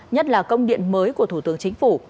nhất là công điện mới của thủ tướng chính phủ